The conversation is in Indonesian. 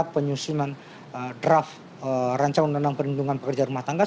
penyusunan draft rancangan undang undang perlindungan pekerja rumah tangga